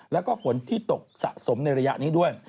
แล้วก็ฝนที่ตกสะสมในระยะนี้ด้วย